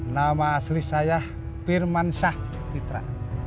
nama asli saya firman syah fitra